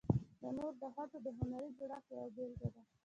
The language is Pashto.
تنور د خټو د هنري جوړښت یوه بېلګه ده